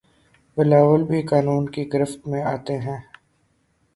بلاول بھی قانون کی گرفت میں آتے ہیں